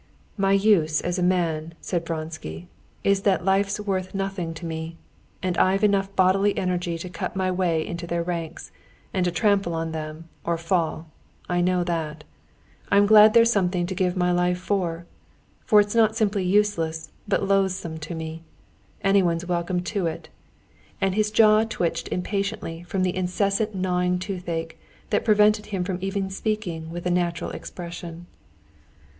"My use as a man," said Vronsky, "is that life's worth nothing to me. And that I've enough bodily energy to cut my way into their ranks, and to trample on them or fall—I know that. I'm glad there's something to give my life for, for it's not simply useless but loathsome to me. Anyone's welcome to it." And his jaw twitched impatiently from the incessant gnawing toothache, that prevented him from even speaking with a natural expression.